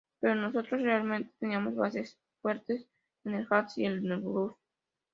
Pero nosotros realmente teníamos bases fuertes en el jazz y el blues"".